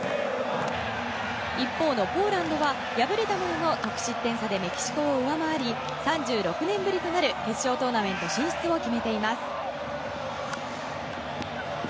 一方のポーランドは敗れたものの得失点差でメキシコを上回り３６年ぶりとなる決勝トーナメント進出を決めています。